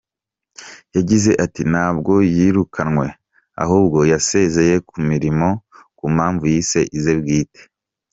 Yagize ati “Ntabwo yirukanwe, ahubwo yasezeye ku mirimo ku mpamvu yise ize bwite.